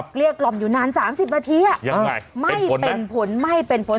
เกลี้ยกล่อมอยู่นาน๓๐นาทียังไงไม่เป็นผลไม่เป็นผล